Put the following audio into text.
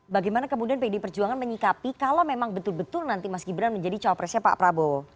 bagaimana kemudian pdi perjuangan menyikapi kalau memang betul betul nanti mas gibran menjadi cawapresnya pak prabowo